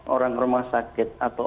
orang rumah sakit atau